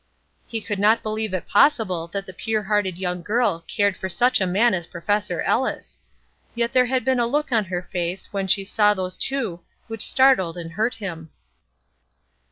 He could not believe it possible that the pure hearted young girl cared for such a man as Professor Ellis! Yet there had been a look on her face when she saw those two which startled and hurt him.